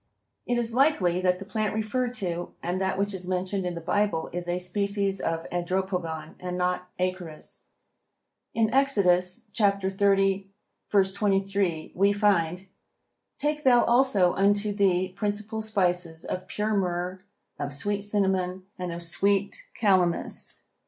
It is likely that the plant referred to and that which is mentioned in the Bible is a species of Andropogon, and not Acorus. In Exodus, 30:23, we find: "Take thou also unto thee principal spices of pure myrrh, of sweet cinnamon, and of sweet Calamus."